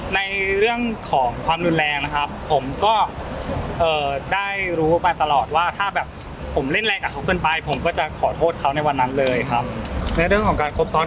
ในเรื่องของความรุนแรงนะครับ